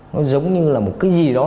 nó giống như là một cái gì đó